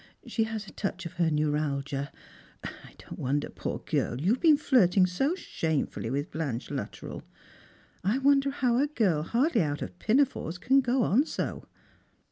She has a touch of her neuralgia ; and I don't wonder, poor girl, you've been flirting so shamefully with Blanche Luttrell. I wonder how a girl hardly out of pinafores can go on so."